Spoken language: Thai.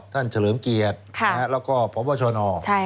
เฉลิมเกียรติแล้วก็พบชน